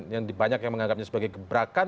yang banyak yang menganggapnya sebagai gebrakan